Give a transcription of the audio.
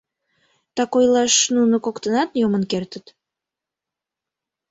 — Так ойлаш, нуно коктынат йомын кертыт.